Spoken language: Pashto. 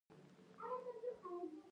د پوځي جامو ګنډل دلته کیږي؟